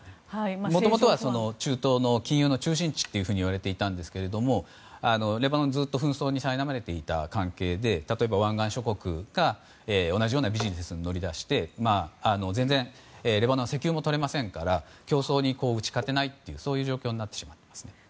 もともとは中東の金融の中心地といわれていたんですけれどもレバノンは、ずっと紛争にさいなまれていた関係で湾岸諸国が同じようなビジネスに乗り出して、全然レバノンは石油も取れませんから競争に打ち勝てないという状況になってしまったんです。